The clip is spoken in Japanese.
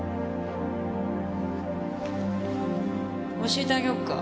教えてあげようか。